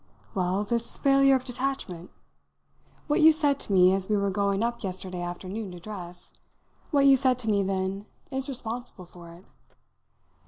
"Well, this failure of detachment. What you said to me as we were going up yesterday afternoon to dress what you said to me then is responsible for it.